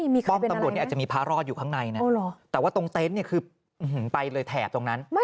มีใครเป็นอะไร